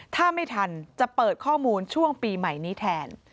ถ้าไม่ทันจะเปิดข้อมูลช่วงปีใหม่นี้แทน